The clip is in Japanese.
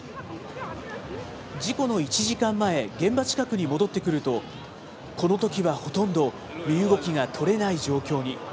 事故の１時間前、現場近くに戻ってくると、このときはほとんど身動きが取れない状況に。